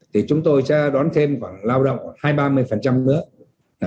thì chúng tôi sẽ đón thêm khoảng lao động khoảng hai ba mươi nữa